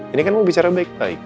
ini kan mau bicara baik baik